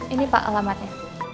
ini pak alamatnya